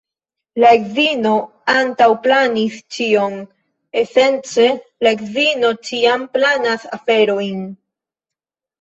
La edzino antaŭplanis ĉion, esence la edzino ĉiam planas aferojn.